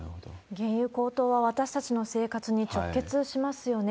原油高騰は私たちの生活に直結しますよね。